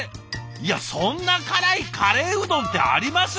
いやそんな辛いカレーうどんってあります？